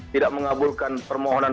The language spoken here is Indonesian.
tidak mengabulkan permohonan